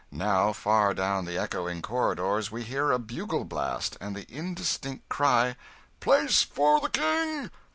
Now, far down the echoing corridors we hear a bugle blast, and the indistinct cry, "Place for the King!